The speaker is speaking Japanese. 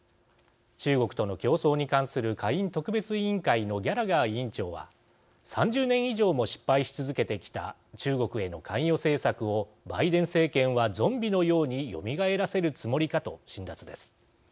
中国との競争に関する下院特別委員会のギャラガー委員長は３０年以上も失敗し続けてきた中国への関与政策をバイデン政権はゾンビのようによみがえらせるつもりかと辛辣です。